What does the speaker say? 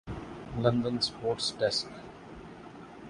London sports ڈیسکا